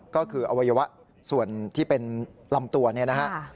ก็คืออวัยวะส่วนที่เป็นลำตัวเนี่ยนะฮะ